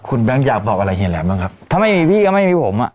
คุณแบงค์อยากบอกอะไรเฮียแหลมบ้างครับถ้าไม่มีพี่ก็ไม่มีผมอ่ะ